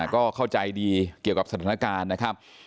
ก็เข้าใจดีเกี่ยวกับสถานการณ์นะครับ